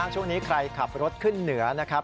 ช่วงนี้ใครขับรถขึ้นเหนือนะครับ